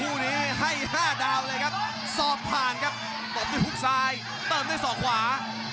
คู่นี้ให้๕ดาวเลยครับศอกผ่านครับตบด้วยฮุกซ้ายเติมด้วยศอกขวา